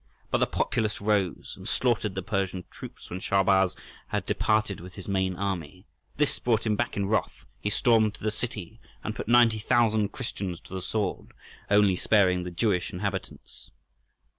But the populace rose and slaughtered the Persian troops when Shahrbarz had departed with his main army. This brought him back in wrath: he stormed the city and put 90,000 Christians to the sword, only sparing the Jewish inhabitants.